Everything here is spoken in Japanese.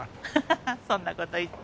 ハハッそんなこと言って。